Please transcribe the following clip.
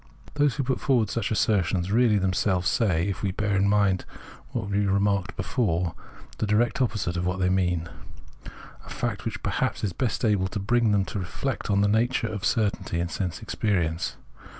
Those who put forward such assertions really them selves say, if we bear in mind what we remarked before, the direct opposite of what they mean :— a fact which is perhaps best able to bring them to reflect on the nature of the certainty of sense experience.